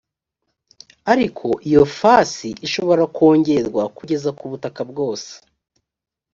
ariko iyo fasi ishobora kongerwa kugeza ku butaka bwose